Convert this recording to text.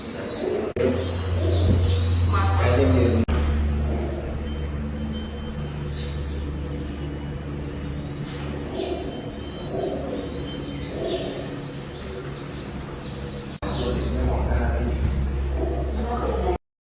มาใกล้นิดนึง